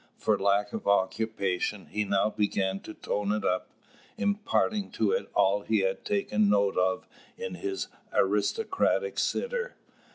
For lack of occupation, he now began to tone it up, imparting to it all he had taken note of in his aristocratic sitter.